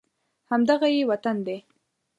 همدغه یې وطن دی